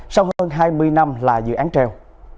sau hơn hai mươi năm là dự án treo